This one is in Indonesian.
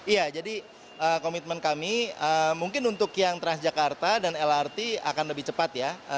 iya jadi komitmen kami mungkin untuk yang transjakarta dan lrt akan lebih cepat ya